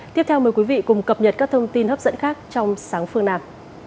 tiếp theo mời quý vị cùng cập nhật các thông tin hấp dẫn khác trong sáng phương nam